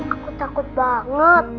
aku takut banget